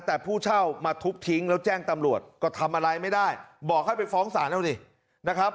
แต่ผู้เช่ามาทุบทิ้งแล้วแจ้งตำรวจก็ทำอะไรไม่ได้บอกให้ไปฟ้องศาลเอาดินะครับ